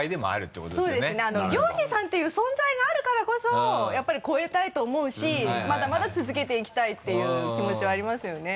そうですね陽司さんっていう存在があるからこそやっぱり越えたいと思うしまだまだ続けていきたいっていう気持ちはありますよね。